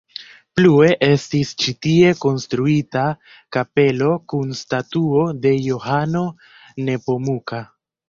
Plue estis ĉi tie konstruita kapelo kun statuo de Johano Nepomuka.